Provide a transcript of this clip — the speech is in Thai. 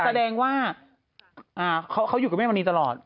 แสดงว่าเขาอยู่กับแม่มณีตลอด